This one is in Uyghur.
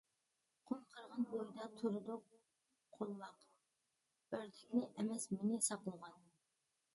قۇم قىرغاق بويىدا تۇرىدۇ قولۋاق، ئۆردەكنى ئەمەس مېنى ساقلىغان.